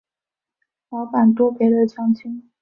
老板多给的奖金